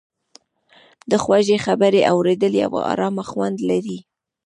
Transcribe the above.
د خوږې خبرې اورېدل یو ارامه خوند لري.